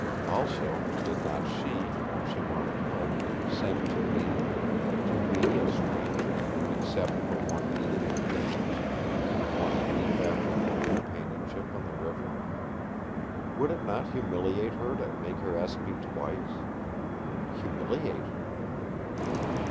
Also, did not she, when she wanted help, send to me—to me a stranger, except for one meeting at a dance and one brief afternoon of companionship on the river? Would it not humiliate her to make her ask me twice? Humiliate her!